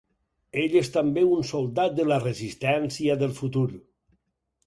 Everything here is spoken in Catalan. Ell és també un soldat de la Resistència del futur.